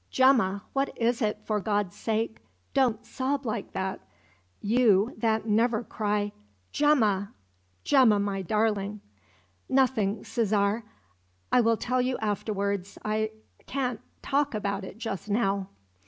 "Gemma! What is it, for God's sake? Don't sob like that you that never cry! Gemma! Gemma, my darling!" "Nothing, Cesare; I will tell you afterwards I can't talk about it just now."